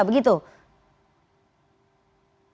menanamkan uangnya di indonesia begitu